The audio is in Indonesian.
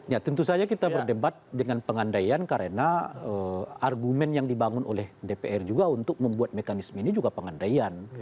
ya tentu saja kita berdebat dengan pengandaian karena argumen yang dibangun oleh dpr juga untuk membuat mekanisme ini juga pengandaian